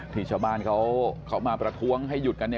ที่ชาวบ้านเขามาประท้วงให้หยุดกัน